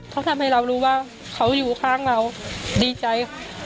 เขาทำให้เรารู้ว่าเขาอยู่ข้างเราดีใจ